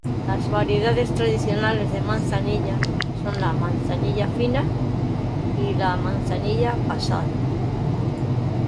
Las variedades tradicionales de manzanilla son la "manzanilla fina" y la "manzanilla pasada".